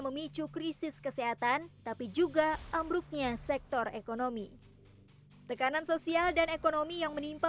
memicu krisis kesehatan tapi juga ambruknya sektor ekonomi tekanan sosial dan ekonomi yang menimpa